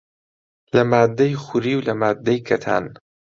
لە ماددەی خوری و لە ماددەی کەتان